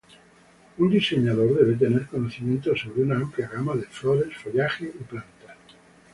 Un diseñador debe tener conocimientos sobre una amplia gama de flores, follaje, y plantas.